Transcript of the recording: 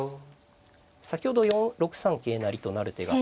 先ほど６三桂成と成る手が。